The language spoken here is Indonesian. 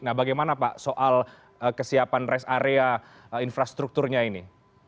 nah bagaimana pak soal kesiapan rest area infrastrukturnya ini